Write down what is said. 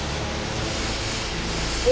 お！